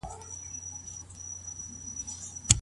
کله چي لور له خاوند څخه شکايت درته وکړي.